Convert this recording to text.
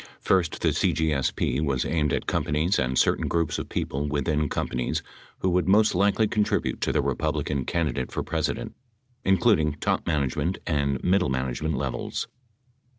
First, the CGSP was aimed at companies and certain groups of people within com panies who would most likely contribute to the Republican candidate for President, including top management and middle management levels.